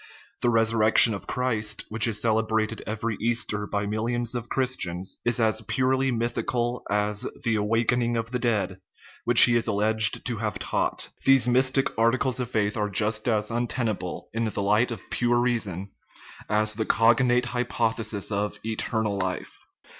The resurrection of Christ, which is celebrated every Easter by millions of Chris tians, is as purely mythical as " the awakening of the dead," which he is alleged to have taught. These mystic articles of faith are just as untenable in the light of pure reason as the cognate hypothesis of " eternal life."